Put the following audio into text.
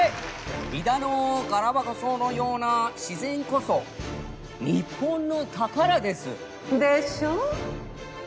飛騨のガラパゴスのような自然こそ日本の宝です。でしょ？